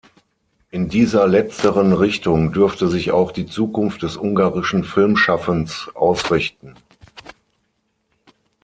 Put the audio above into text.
In dieser letzteren Richtung dürfte sich auch die Zukunft des ungarischen Filmschaffens ausrichten.